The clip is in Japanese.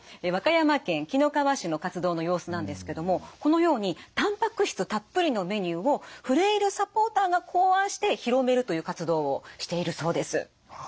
和歌山県紀の川市の活動の様子なんですけどもこのようにたんぱく質たっぷりのメニューをフレイルサポーターが考案して広めるという活動をしているそうです。